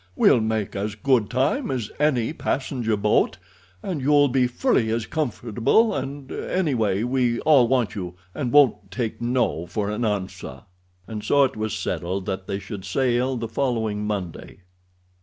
"We'll make as good time as any passenger boat, and you'll be fully as comfortable; and, anyway, we all want you, and won't take no for an answer." And so it was settled that they should sail the following Monday.